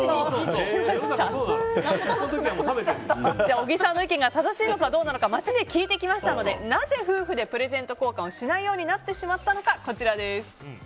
小木さんの意見が正しいのか街で聞いてきましたのでなぜ夫婦でプレゼント交換をしないようになってしまったのか。